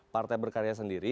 partai berkarya sendiri